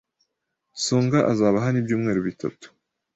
Songa azaba hano ibyumweru bitatu.